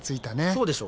そうでしょ。